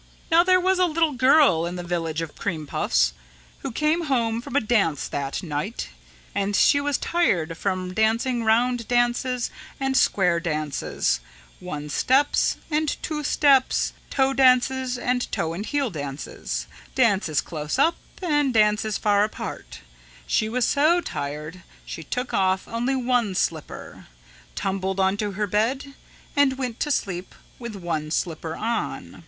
"Now there was a little girl in the Village of Cream Puffs who came home from a dance that night. And she was tired from dancing round dances and square dances, one steps and two steps, toe dances and toe and heel dances, dances close up and dances far apart, she was so tired she took off only one slipper, tumbled onto her bed and went to sleep with one slipper on.